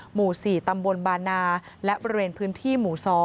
หมู่๔ตำบลบานาและบริเวณพื้นที่หมู่๒